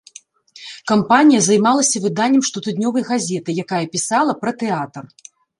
Кампанія займалася выданнем штотыднёвай газеты, якая пісала пра тэатр.